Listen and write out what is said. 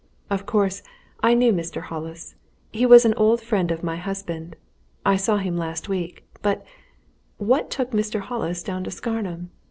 Of course, I knew Mr. Hollis he was an old friend of my husband. I saw him last week. But what took Mr. Hollis down to Scarnham?